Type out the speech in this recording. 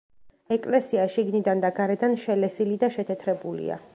ეკლესია შიგნიდან და გარედან შელესილი და შეთეთრებულია.